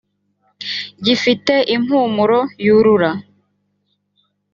gifite impumuro yurura